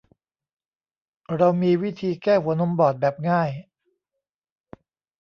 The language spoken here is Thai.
เรามีวิธีแก้หัวนมบอดแบบง่าย